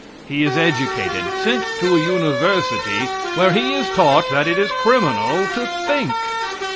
He is educated, sent to a university where he is taught that it is criminal to think.